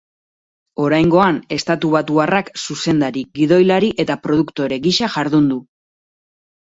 Oraingoan, estatubatuarrak zuzendari, gidoilari eta produktore gisa jardun du.